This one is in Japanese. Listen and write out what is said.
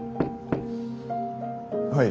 はい。